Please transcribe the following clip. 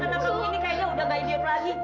anak kamu ini kayaknya udah nggak ideal lagi